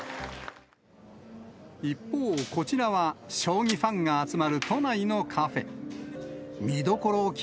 一方、こちらは将棋ファンが集まる都内のカフェ。